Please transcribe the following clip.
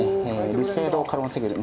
ル・セ・ド・カロン・セギュール